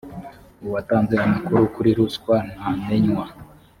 uwatanze amakuru kuri ruswa ntamenywa .